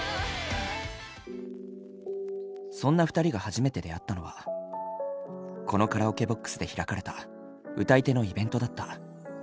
そんな２人が初めて出会ったのはこのカラオケボックスで開かれた歌い手のイベントだった。